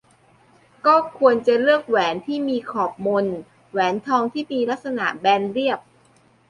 ก็ควรจะเลือกแหวนที่มีขอบมน แหวนทองที่มีลักษณะแบนเรียบ